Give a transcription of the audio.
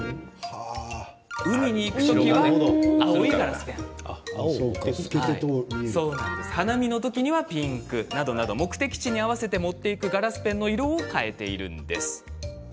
海に行く時は青いガラスペンお花見の時にはピンクなどなど目的地に合わせて持っていくガラスペンの色を替えているんです。